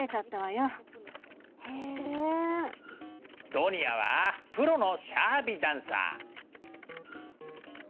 ドニヤはプロのシャービダンサー。